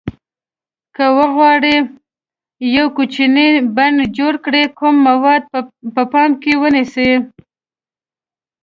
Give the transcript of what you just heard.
که وغواړئ یو کوچنی بڼ جوړ کړئ کوم موارد په پام کې ونیسئ.